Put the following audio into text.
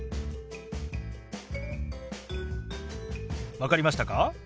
分かりましたか？